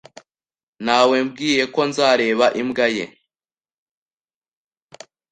Nawebwiye ko nzareba imbwa ye.